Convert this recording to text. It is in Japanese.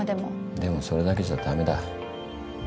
でもそれだけじゃだめだ。